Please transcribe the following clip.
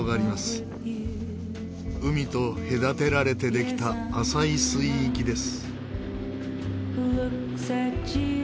海と隔てられてできた浅い水域です。